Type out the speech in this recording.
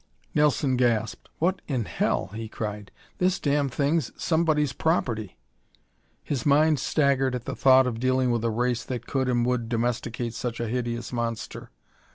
Nelson gasped. "What in hell!" he cried. "This damn thing's somebody's property!" His mind, staggered at the thought of dealing with a race that could and would domesticate such a hideous monster.